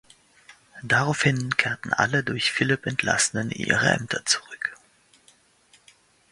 Daraufhin kehrten alle durch Philipp Entlassenen in ihre Ämter zurück.